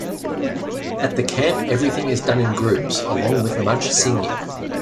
At the camp everything is done in groups, along with much singing.